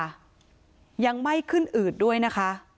ยังไม่ขึ้นอืดด้วยนะคะ